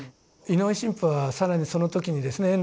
井上神父は更にその時にですね